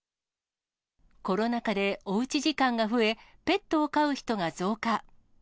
コロナ禍でおうち時間が増え、ペットを飼う人が増加。